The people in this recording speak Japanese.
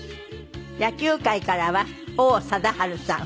野球界からは王貞治さん。